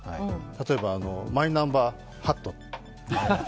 例えばマイナンバーハット。